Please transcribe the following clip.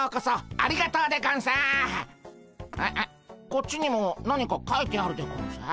こっちにも何かかいてあるでゴンス。